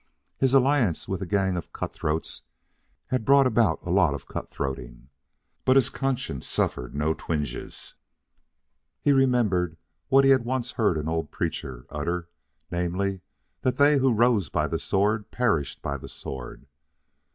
His alliance with a gang of cutthroats had brought about a lot of cutthroating. But his conscience suffered no twinges. He remembered what he had once heard an old preacher utter, namely, that they who rose by the sword perished by the sword.